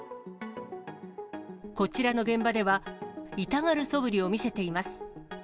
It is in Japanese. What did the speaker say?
こちらの現場では、痛がるそぶりを見せています。